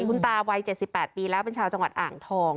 คุณตาวัยเจ็ดสิบแปดปีแล้วเป็นชาวจังหวัดอ่างทอง